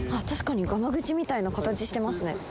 確かにがま口みたいな形してますね。